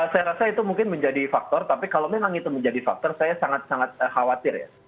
saya rasa itu mungkin menjadi faktor tapi kalau memang itu menjadi faktor saya sangat sangat khawatir ya